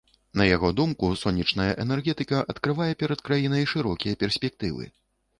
На яго думку, сонечная энергетыка адкрывае перад краінай шырокія перспектывы.